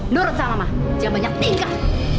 nurut sama mama jangan banyak tingkah